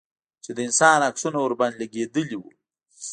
چې د انسان عکسونه ورباندې لگېدلي وو.